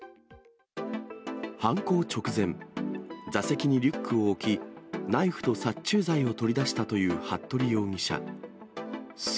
犯行直前、座席にリュックを置き、ナイフと殺虫剤を取り出したという服部容疑者。